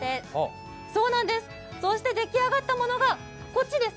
そして出来上がったものがこっちです。